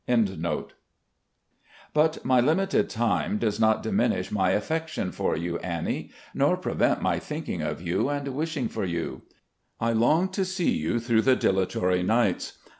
SERVICES IN THE ARMY IS diminish my affection for you, Annie, nor prevent my thinking of you and wishing for you. I long to see you through the dilatory nights.